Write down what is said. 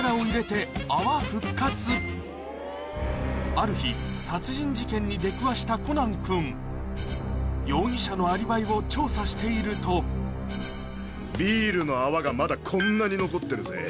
ある日殺人事件に出くわしたコナン君容疑者のアリバイを調査しているとビールの泡がまだこんなに残ってるぜ。